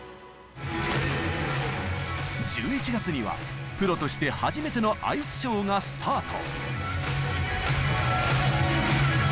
１１月にはプロとして初めてのアイスショーがスタート。